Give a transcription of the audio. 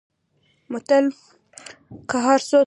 متل؛ که هر څو توره شپه ده؛ خور او مور په کې ښکاره ده.